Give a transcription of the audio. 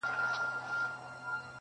ورته څیري تر لمني دي گرېوان کړه.!